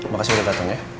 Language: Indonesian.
makasih udah dateng ya